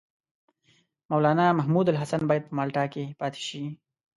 مولنا محمودالحسن باید په مالټا کې پاته شي.